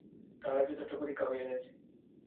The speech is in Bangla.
তাহার যথেষ্ট পরীক্ষা হইয়া গেছে।